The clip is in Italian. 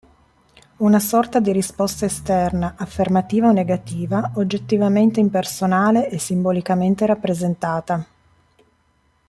Una sorta di risposta esterna, affermativa o negativa, oggettivamente impersonale e simbolicamente rappresentata.